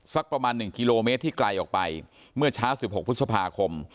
สักประมาณหนึ่งกิโลเมตรที่ไกลออกไปเมื่อช้าสิบหกพฤษภาคม